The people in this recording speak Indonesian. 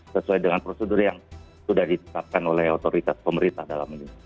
sesuai dengan prosedur yang sudah ditetapkan oleh otoritas pemerintah dalam ini